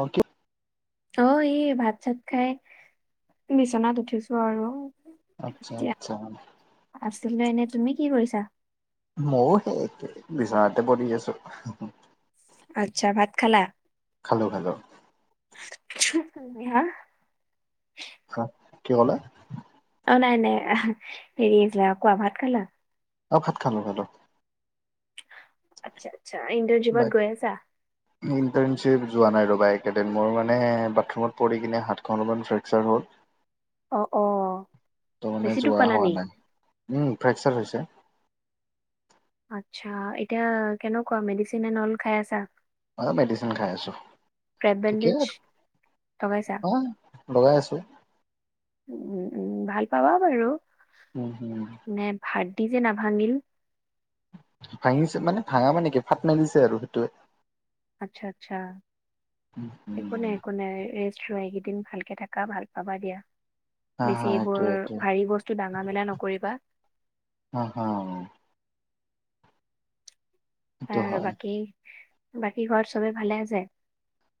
অ' কি? অ' এই ভাত-চাত খাই, বিচনাত উঠিছোঁ আৰু। আচ্ছা, আচ্ছা। আছিলোঁ এনে। তুমি কি কৰিছা? মইয়ো সেই একে, বিচনাতে পৰি আছোঁ। আচ্ছা, ভাত খালা? খালোঁ, খালোঁ। [unintelligible] হা হা কি ক'লে? অ' নাই, নাই হেৰি আছিলে। অ' কোৱা, ভাত খালা? অ' ভাত খালোঁ-খালোঁ। আচ্ছা, আচ্ছা। ইণ্টাৰ্ণশ্বিপত গৈ আছা? ইণ্টাৰ্ণশ্বিপ যোৱা নাই ৰ'বা এইকেইদিন। মোৰ মানে, বাথৰুমত পৰি কিনে হাতখন অলপমান ফ্ৰেকচাৰ হ'ল। অ' অ' ত' মানে বেছি দুখ যোৱা পালা হোৱা নি? নাই উম' ফ্ৰেকচাৰ হৈছে। আচ্ছা, এতিয়া কেনেকুৱা? মেডিচিন এন অল খাই আছা? অ' মেডিচিন খাই আছোঁ। ক্ৰেপ ঠিকে বেণ্ডেজ আৰু লগাইছা? অ'। লগাই আছোঁ। উম উম, ভাল পাবা বাৰু। উম, হম। নে হাড়দি যে নাভাঙিল। ভাঙিছে মানে ভাঙা মানে কি ফাট মেলিছে আৰু সেইটোৱে। আচ্ছা, আচ্ছা। একো নাই, উম একো নাই, ৰেষ্ট লোৱা এইকেইদিন ভালকে থাকা, ভাল পাবা দিয়া। হা হা বেছি এইবোৰ এইটোৱে এইটোৱে ভাৰি বস্তু দাঙা মেলা নকৰিবা। অঁ, অঁ। সেইটো আৰু হয় বাকী, বাকী ঘৰত চবে ভালে আছে?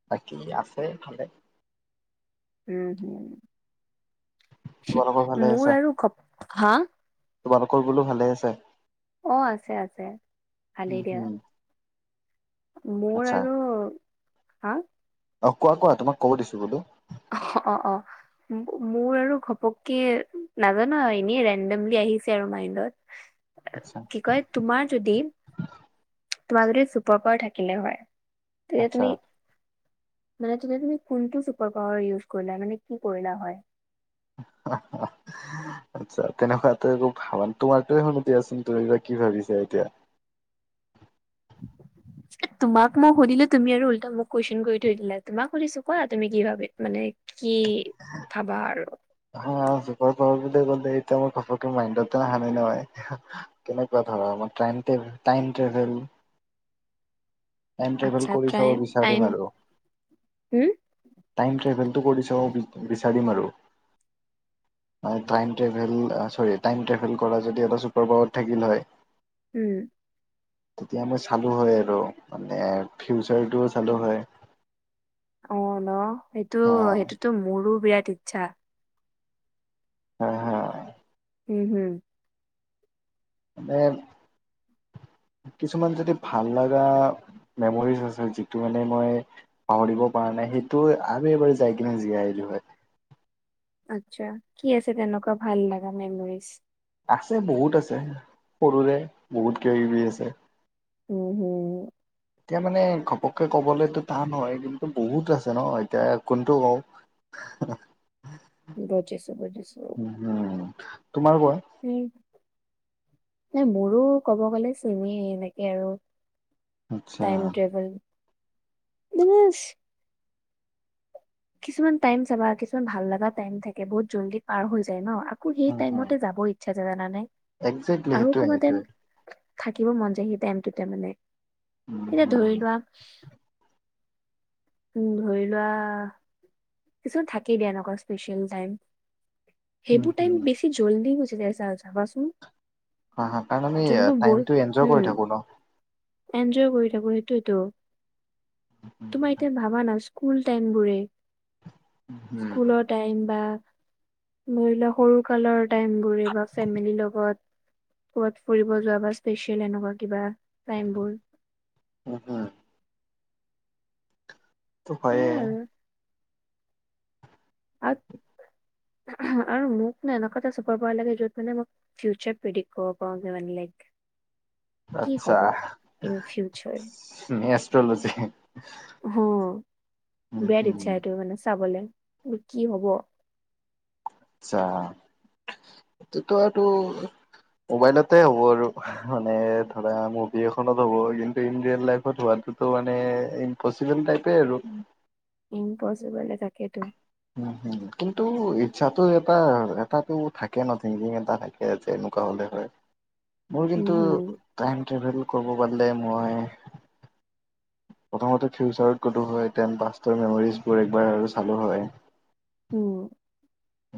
বাকী আছে ভালে। উম, তোমালোকৰ হম ভালে আছে মোৰ আৰু ঘপ হা! তোমালোকৰ বোলো ভালে আছে? অঁ আছে, আছে উম ভালেই দিয়া। হুম মোৰ আচ্ছা আৰু হা! অঁ কোৱা, কোৱা তোমাক ক'ব দিছো বোলো। অহ, অঁ, অঁ। মোৰ আৰু ঘপককে নাজানা এনেই ৰেনডমলি আহিছে আৰু মাইণ্ডত। আচ্ছা কি কয় তোমাৰ যদি- তোমাৰ যদি চুপাৰ পাৱাৰ থাকিলে হয় তেতিয়া আচ্ছা তুমি- মানে তেতিয়া তুমি কোনটো চুপাৰ পাৱাৰ ইউজ কৰিলা মানে কি কৰিলা হয়? [unintelligible] আচ্ছা তেনেকুৱা ত ভাবা নাই, তোমাৰেটোৱে শুনো দিয়াচোন তুমি বা কি ভাবিছা এতিয়া? [unintelligible] তোমাক মই সুধিলো তুমি আৰু উল্টা মোক কুৱেশন কৰি থৈ দিলা। তোমাক সুধিছো কোৱা তুমি কি ভাবে মানে- কি ভাবা আৰু? হ চুপাৰ পাৱাৰ বুলি কলে এতিয়া মই ঘপককে মাইণ্ডতে আহা নাই নহয়। কেনেকুৱা ধৰা আমাৰ টাইম ট্ৰেভেল- টাইম ট্ৰেভেল আচ্ছা কৰি চাব ট্ৰাই বিচাৰিম টাইম আৰু উম- টাইম ট্ৰেভেলটো কৰি চাব বিচাৰিম আৰু। [inaudible] ট্ৰাইম ট্ৰেভেল চৰি টাইম ট্ৰেভেল কৰা যদি এটা চুপাৰ পাৱাৰ থাকিল হয়- উম। তেতিয়া মই চালোঁ হয় আৰু মানে ফিউচাৰটোও চালো হয়। অঁ ন সেইটো হা সেইটোতো মোৰো বিৰাট ইচ্ছা। হা হা। উম, হুম। মানে- কিছুমান যদি ভাল লগা মেমৰিজ আছে যিটো মানে মই- পাহৰিব পৰা নাই, সেইটো আৰু এবাৰ যাই কিনে জীয়াই আহিলো হয়। আচ্ছা, কি আছে তেনেকুৱা ভাল লগা মেমৰিজ? আছে বহুত আছে, সৰুৰে বহুত কিব কিবি আছে। উম, হুম। এতিয়া মানে ঘপককে কবলৈতো টান হয় কিন্তু বহুত আছে ন, এতিয়া কোনটো কওঁ? অ [unintelligible] বুজিছো, বুজিছো। উম তোমাৰ কোৱা? নাই, মোৰো কব গ'লে চেমেই এনেকে আৰু আচ্ছা টাইম ট্ৰেবল ডেমেজ কিছুমান টাইম চাবা কিছুমান ভাল লগা টাইম থাকে বহুত জল্দি পাৰ হৈ যায় ন আকৌ সেই উম হম টাইমত যাব ইচ্ছা যে জানা নাই একজেক্টলি আৰু সেইটোৱে অকণমান টাইম সেইটোৱে থাকিব মন যায় সেই টাইমটোতে মানে উম এতিয়া হম ধৰি লোৱা উম ধৰি লোৱা কিছুমান থাকেই দিয়া এনেকুৱা স্পেচিয়েল টাইম উম সেইবোৰ হম টাইম বেছি কি জল্দি গুছি যায় চাল চাবচোন। হা হা কাৰণ আমি টাইম টো এন্জয় উম কৰি থাকো ন। এনজয় কৰি থাকো সেইটোৱেটো তোমাৰ এতিয়া ভাবা না স্কুল টাইম বোৰে উম স্কুলৰ টাইম বা ধৰি লোৱা সৰু কালৰ টাইম বোৰে বা ফেমিলিৰ লগত ক'ৰবাত ফুৰিব যোৱা বা স্পেচিয়েল এনেকুৱা কিবা টাইম বোৰ। উম। সেই টো হয় ৱে। সেয়াই আৰু আৰু মোক ন এনেকুৱা এটা চোপাৰ পাওৰা লাগে য'ত মানে মই ফিউচাৰ পিডিক কৰিব যে ওৱান লাইক। কি আচ্ছা হ'ব ইন ফিউচাৰ? এষ্ট্ৰলজি। উম বিৰাট হম ইচ্ছা এইটো মানে চাবলৈ। কিন্তু কি হ'ব? যা তেতিয়াটো মোবাইলতে হ'ব আৰু মানে ধৰা মুভি এখনত হ'ব কিন্তু ইন ৰিয়েল লাইফত হোৱাটো ইটো মানে ইম্পপচিবল টাইপে আৰু। ইম্পপচিবলে তাকেতো। উম হুম কিন্তু ইচ্ছাটো এটা এটাটো থাকে ন থিংকিং এটা থাকে। কেনেকুৱা হ'লে হয়? [inaudible] মোৰ কিন্তু হম টাইম ট্ৰেভেল কৰিব পৰিলে মই প্ৰথমতে ফিউচাৰত গ'লোঁ হয় দেন পাষ্টৰ মেমৰিজবোৰ একবাৰ আৰু চালো হয়। উম।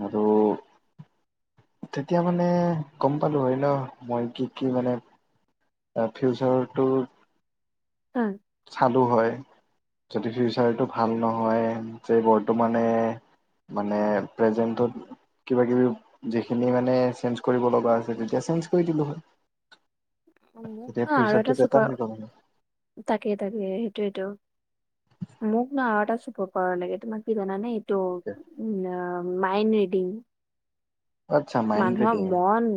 আৰু তেতিয়া মানে গম পালো হয় ন মই কি কি মানে ফিউচাৰটোত অ'। চালো হয় যদি ফিউচাৰটো ভাল নহয় যে বৰ্তমানে মানে প্ৰেজেণ্টত কিবা কিবি যিখিনি মানে চেঞ্জ কৰিব লগা আছে তেতিয়া চেঞ্জ কৰি দিলো হয়। মোক তেতিয়া ন আৰু ফিউচাৰটো এটা বেটাৰ হৈ চুপাৰ গ'ল হয়। তাকে তাকে সেইটোৱে টো। মোক ন আৰু এটা চোপাৰ পাওৱাৰ লাগে, তোমাৰ কি জানে নে? টো উ মাইণ্ডৰিডিং। আচ্ছা মাইণ্ড মানুহৰ ৰিডিং মন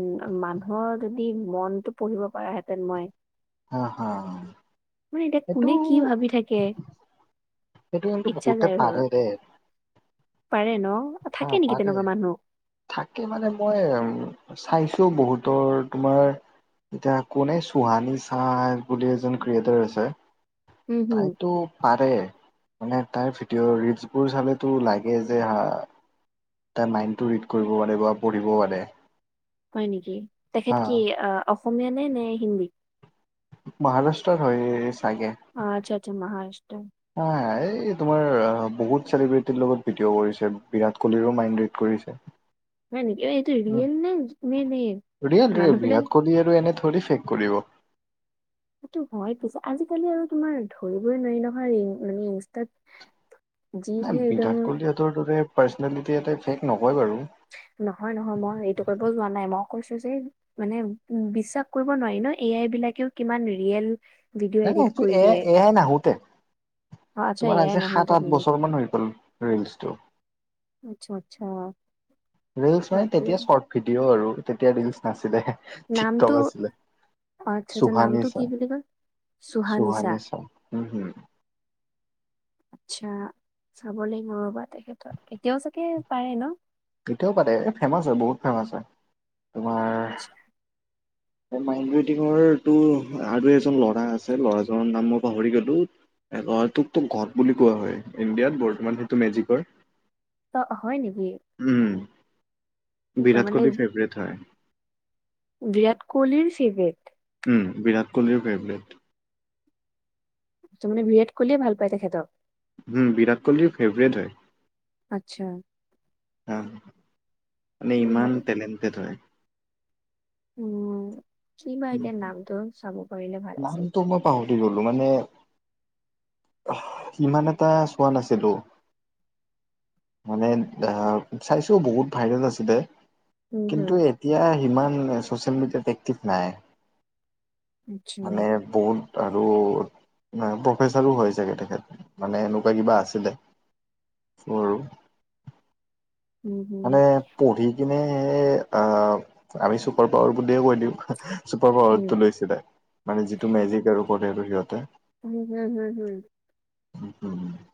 মানুহৰ যদি মনতটো পঢ়িব পাৰ হেঁতেন মই হা হা মানে এতিয়া এইটো কোনে কি ভাবি থাকে? সেইটো কিন্তু ইচ্ছা বহুতে যায় ঘৰত পাৰে দে। পাৰে ন? থাকে অ', নেকি তেনেকুৱা পাৰে। মানুহ থাকে মানে মই উম, চাইছোঁ বহুতৰ তোমাৰ এতিয়া কোনে চুহানী চাহ বুলি এজন ক্ৰিয়েটাৰ আছে, উম হম তাইতো পাৰে, মানে তাইঅ' ভিডিঅ' ৰিলচ বোৰ চালেতো লাগে যে হা তাই মাইণ্ডটো ৰিড কৰিব পাৰে বা পঢ়িব পাৰে। হয় নেকি? তেখেত হা কি অ-অসমীয়া নে নে হিন্দী? মহাৰাষ্ট্ৰত হয় চাগে। অ', আচ্ছা আচ্ছা মহাৰাষ্ট্ৰ। অ', এই তোমাৰ বহুত চেলিব্ৰিটিৰ লগত ভিডিঅ' কৰিছে বিৰাট কোহলিৰো মাইণ্ড ৰিড কৰিছে। হয় নেকি [unintelligible] উম, নে নে নে ৰিয়েল ৰিয়েল মানুহ বিলাক বিৰাট কোহলি আৰু এনে থৰি ফেক কৰিব। সেইটো হয় পিছে আজিকালি আৰু তোমাৰ ধৰিবই নোৱাৰি নহয় মানে ইনষ্টাত ন যিহে একদম বিৰাট কোহলিহঁতৰ দৰে পাৰ্চনেলিটি এটাই ফেক নকয় বাৰু। নহয় নহয় মই এইটো কব যোৱা নাই মই কৈছোঁ যে মানে উম, বিশ্বাস কৰিব নোৱাৰি ন এ আই বিলাকেও কিমান ৰিয়েল ভিডিঅ' নাই নাই এডিট সেইটো কৰি দিয়ে। এয়া-এয়াই নাহোতে। অ' আচ্ছা এ তোমাৰ আই আজি নাহো সাত আঠ তেনেকে। বছৰ মান হৈ গ'ল ৰিলচটো। আচ্ছা আচ্ছা। ৰিলচ মানে তেতিয়া বাপৰে চৰ্ট ভিডিঅ' আৰু তেতিয়া ৰিলচ নাছিলে [inaudible] টিক নামটো টক আছিলে। আচ্ছা আচ্ছা চুহানী নামটো কি চাহ, বুলি কয়? চুহানিছা। চুহানী চাহ উম, হুম। [unintelligible] আচ্ছা, চাব লাগিব ৰবা তেখেতৰ এতিয়াও চাগে পাৰে ন? এতিয়াও পাৰে এ ফেমাচ হয় বহুত ফেমাচ হয়। তোমাৰ [unintelligible] মাইণ্ড ডিঙৰটো আৰু এজন ল'ৰা আছে ল'ৰাজনৰ নাম মই পাহৰি গলোঁ। ল'ৰাটোকতো ঘট বুলি কোৱা হয় ইণ্ডিয়াত বৰ্তমান সেইটো মেজিকৰ। অ', হয় নেকি? উম, কি কয় বিৰাট মানে কোহলি ফেভৰেট হয়। বিৰাট কোহলিৰ ফিভৰেট? উম, বিৰাট কোহলিৰ ফেভৰেট। তাৰমানে বিৰাত কোহলিয়ে ভাল পায় তেখেতক। উম, বিৰাট কোহলিৰ ফেভৰেট হয়। আচ্ছা। মানে ইমান টেলেণ্টেড হয়। উম, কি বা এতিয়া নামটো চাব পাৰিলে ভাল আছিল। নামটো মই পাহৰি গলো মানে অহ, ইমান এটা চোৱা নাছিলোঁ। মানে আহ, চাইছোঁ বহুত ভাইৰেল আছিলে। উম হম কিন্তু এতিয়া সিমান চচিয়েল মিডিয়াত একটিভ নাই। আচ্ছা মানে বহুত আৰু নাই প্ৰফেচাৰো হয় চাগে তেখেত মানে এনেকুৱা কিবা আছিলে। স্মৰো উম হম মানে পঢ়ি কিনে আ, আমি চুপাৰ পাৱাৰ বুলিয়ে কৈ দিওঁ। Super um. পাৱাৰটো লৈছিলে মানে যিটো মেজিক আৰু কৰে আৰু সিহঁতে। উম হুম হুম হুম হুম। উম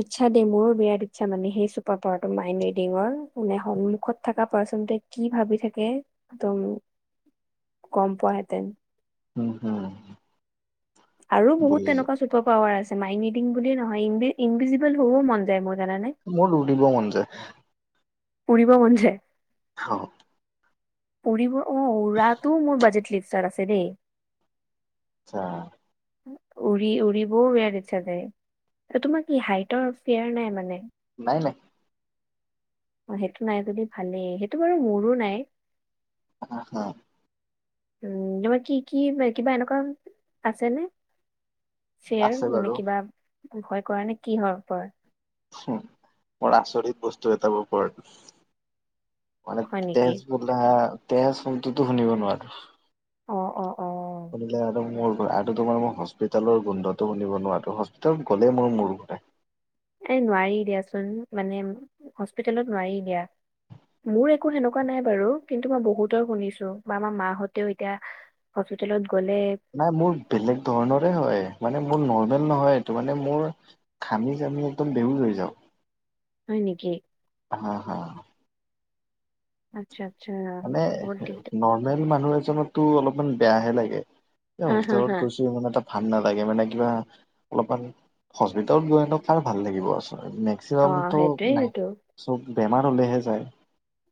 ইচ্ছা দেই মোৰ বিৰাট ইচ্ছা মানে সেই চুপাৰ পাৱাৰটো মাইণ্ড ৰিডিঙৰ মানে সন্মুখত থকা পাৰ্চনটোৱে- কি ভাবি থাকে একদম গম পোৱা হেঁতেন। উম, হুম। আৰু বহুত বুজিছো তেনেকুৱা চু- পাৰ পাৱাৰ আছে মাইন্ড ৰিডিং বুলিয়ে নহয়, ইনভিজিবল হবওঁ মন যায় মোৰ জানানে। মোৰ উৰিব মন যায়। ফুৰিব মন যায়। অঁ। উৰিব অঁ, উৰাতো মোৰ বাজেট লিষ্টত আছে দেই। আচ্ছা। উৰি উৰি বউ বিৰাট ইচ্ছা যায়। তোমাৰ কি হাইটৰ ফেয়াৰ নাই মানে। নাই নাই। অঁ সেইটো নাই যদি ভালেই, সেইটো বাৰু মোৰো নাই। অঁ, হা। উম, তোমাৰ কি কি কিবা এনেকুৱা আছে নে? ফিয়েৰ আছে মানে বাৰু কিবা ভয় কৰা নে কি হয় ওপৰত? মোৰ আচৰিত বস্তু এটাৰ ওপৰত মানে হয় নেকি তেজগোট- বা তেজ শব্দটো শুনিব নোৱাৰো। অঁ, অঁ, অঁ, অঁ। শুনিলে আৰু মোৰ গল আৰু তোমাৰ মই হ- হস্পিটেলৰ গোন্ধটো শুহিব নোৱাৰাতো, হস্পিতেলত গ'লেই মোৰ মূৰ ঘূৰাই। এই নোৱাৰি দিয়াচোন মানে হস্পিটেলত নোৱাৰি দিয়া। মোৰ একো সেনেকুৱা নাই বাৰু কিন্তু মই বহুতৰ শুনিছোঁ বা আমাৰ মাহঁতেও এতিয়া- হস্পিটেলত গ'লে- নাই মোৰ বেলেগ ধৰণৰে হয় মানে মোৰ নৰ্মেল নহয়টো মানে মোৰ- ঘামি যামি একদম বেহুজ হৈ যাওঁ, হয় নেকি হা হা। আচ্ছা, আচ্ছা। মানে বহুত দিগদাৰ নৰ্মেল মানুহ এজনতো অলপমান বেয়াহে লাগে। এই হা হা হস্পিটেলত হা গৈছো- মানে এটা ভাল নালাগে মানে কিবা অলপমান- হস্পিটেলত গৈ নো কাৰ ভাল লাগিব, আচলতে অ মেক্সিমামটো নাই। সেইটোয়েইটো চব বেমাৰ হলেহে যায়।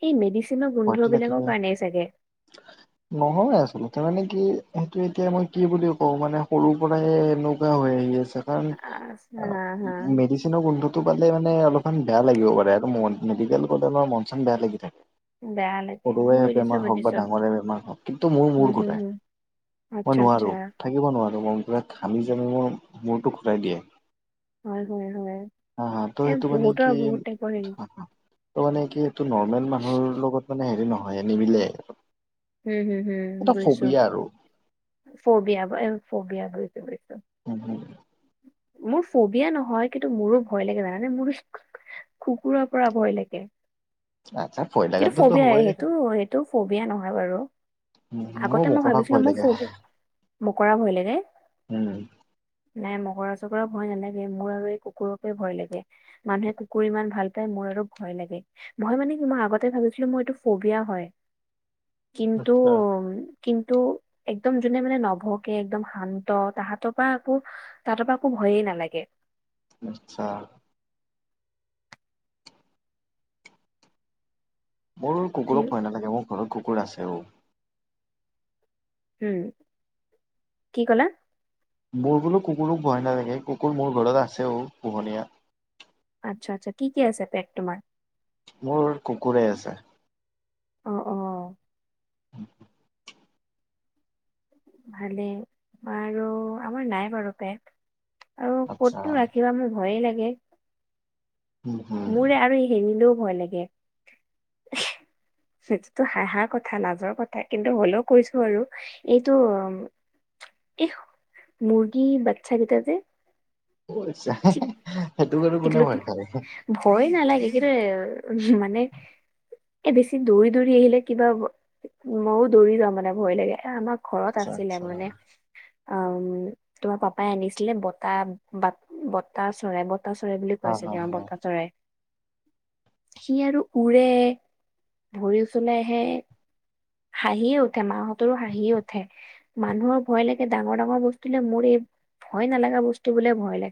এই মেডিচিনৰ গোন্ধ ভয়তো লাগিবই। বিলাকৰ কাৰণেই চাগে। নহয় আচলতে মানে কি সেইটো এতিয়া মই কি বুলি কওঁ মানে সৰু পৰাই এনেকুৱা হৈ আহি আছে। কাৰ আচ্ছা, হা হা মেডিচিন- মেডিচিনৰ গোন্ধটো পালে মানে অলপমান বেয়া লাগিব পাৰে আৰু মেডিকেল গলে অলপ মন চন বেয়া লাগি থাকে। বেয়া লাগে। সৰুৱে বুজিছো বেমাৰ হও‍ঁক বা বুজিছো ডাঙৰে বেমাৰ হওঁক কিন্তু মোৰ উম মূৰ হম ঘূৰাই, হম মই আচ্ছা আচ্ছা নোৱাৰো। থাকিব নোৱাৰোঁ মনটোৱে ঘামি যে মোৰ মূৰটো ঘূৰাই দিয়ে। হয় হয় হয় অঁ হা ত এই সেইটো মানে বহুতৰ কি? বহুত টাইপৰ হেৰি ত মানে কি এইটো নৰ্মেল মানুহৰ লগত মানে হেৰি নহয় নিমিলে। উম হম হম এটা বুজিছো ফবিয়া আৰু। ফবিয়া ফবিয়া বুজিছো বুজিছো। উম, হুম। মোৰ ফবিয়া নহয় কিন্তু মোৰো ভয় লাগে জানানে মোৰ কুকুৰৰ পৰা ভয় লাগে। আচ্ছা ভয় কিন্তু লাগাতো ফবিয়া হয়ে সেইটো সেইটো ফবিয়া নহয় বাৰু। মোৰ আগতে মই মকৰাক ভাবিছিলোঁ ভয় মোৰ লাগে। [unintelligible] মোকৰা ভয় লাগে। উম। নাই মকৰা চকৰা ভয় নালাগে, মোৰ আৰু এই কুকুৰকে ভয় লাগে। মানুহে কুকুৰ ইমান ভাল পায় মোৰ আৰু ভয় লাগে। ভয় মানে কি মই আগতে ভাবিছিলোঁ মোৰ এইটো ফবিয়া হয়। কিন্তু আচ্ছা। কিন্তু একদম যোনে মানে নভকে একদম শান্ত তাহাঁতৰ পৰা আকৌ তাহাঁতৰ পৰা একো ভয়েই নালাগে। আচ্ছা। মোৰ সেই কুকুৰক ভয় নালাগে, মোৰ ঘৰত কুকুৰ আছেও। উম, কি কলা? মোৰ বোলো কুকুৰো ভয় নালাগে কুকুৰ মোৰ ঘৰত আছেও পোহনীয়া। আচ্ছা আচ্ছা, কি আছে পেত তোমাৰ? মোৰ কুকুৰে আছে। অ', অ'। [unintelligible] ভালেই, আৰু আমাৰ নাই বাৰু পেট। আৰু আচ্ছা ক'তনো ৰাখিবা মোৰ ভয়ে লাগে। উম হম। মোৰে আৰু হেৰিলেও ভয় লাগে [unintelligible] সেইটোতো হাঁহা কথা লাজৰ কথা কিন্তু হলেও কৈছোঁ আৰু। এইটো এই মুৰ্গী বাচ্ছা কেইটা যে। [unintelligible] চিক সেইটো বাৰু কোনে টিকলতি ভয় খায়। ভয় নালাগে কিন্তু মানে এ বেছি দৌৰি দৌৰি আহিলে কিবা ময়ও দৌৰি যাওঁ মানে ভয় লাগে, এ আমাক ঘৰত আচ্ছা আছিলে আচ্ছা মানে। আম তোমাৰ পাপাই আনিছিলে বতা বাত বতা চৰাই বত বতা চৰাই বুলি হা কয় হা চাগে অ', হা। বতা চৰাই। সি আৰু উৰে, ভৰি ওচলে আহে। হাঁহিয়ে উঠে মাহঁতৰো হাঁহিয়ে উঠে। মানুহৰ ভয় লাগে ডাঙৰ ডাঙৰ বস্তুলে মোৰ এই ভয় নালগা বস্তু বোলে ভয় লাগে।